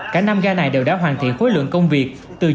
cả năm ga này đều đã hoàn thiện khối lượng công việc